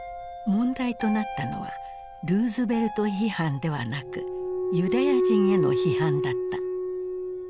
問題となったのはルーズベルト批判ではなくユダヤ人への批判だった。